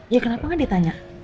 ya kenapa gak ditanya